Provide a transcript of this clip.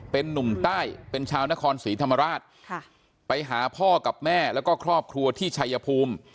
เป็นนุ่มใต้เป็นชาวนครศรีธรรมราชไปหาพ่อกับแม่แล้วก็ครอบครัวที่ชัยภูมิ